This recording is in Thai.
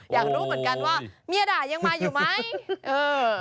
อยากรู้เหมือนกันว่าเมียด่ายังมาอยู่ไหมเออ